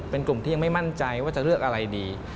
เป็นกลุ่มที่ยังไม่มั่นใจว่าจะเลือกอะไรดี